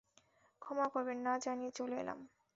ক্ষমা করবেন, না জানিয়ে চলে এলাম।